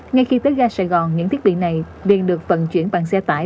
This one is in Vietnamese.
ngay khi tới ga sài gòn những thiết bị này liền được vận chuyển bằng xe tải